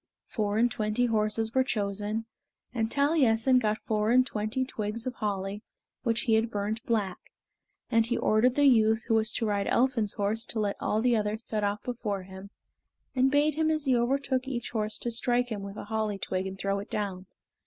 Four and twenty horses were chosen, and Taliessin got four and twenty twigs of holly which he had burnt black, and he ordered the youth who was to ride Elphin's horse to let all the others set off before him, and bade him as he overtook each horse to strike him with a holly twig and throw it down.